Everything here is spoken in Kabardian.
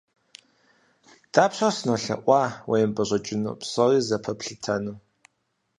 Дапщэрэ сынолъэӀуа уемыпӀэщӀэкӀыну, псори зэпэплъытэну?